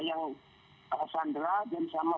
dan sama pemimpin yang berada di sana